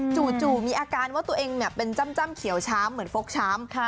จู่มีอาการว่าตัวเองเป็นจ้ำเขียวช้ำเหมือนฟกช้ำ